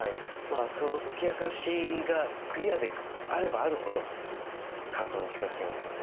その解き明かしがクリアであればあるほど完登に近づけますよね。